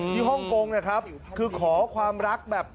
ฮ่องกงนะครับคือขอความรักแบบ